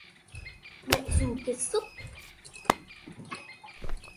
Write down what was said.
Mẹ dù kiệt sức